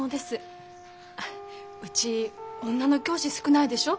うち女の教師少ないでしょ。